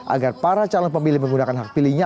agar para calon pemilih menggunakan hak pilihnya